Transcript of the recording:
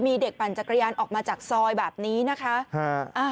มีเด็กปั่นจักรยานออกมาจากซอยแบบนี้นะคะ